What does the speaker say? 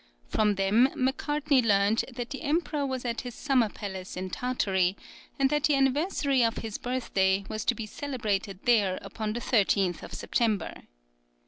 From them Macartney learned that the emperor was at his summer palace in Tartary, and that the anniversary of his birthday was to be celebrated there upon the 13th of September.